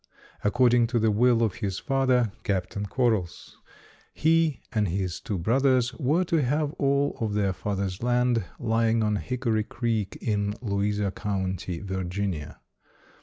According to the will of his father, Captain Quarrels, he and his two brothers were to have all of their father's land, lying on Hickory Creek in Louisa County, Virginia.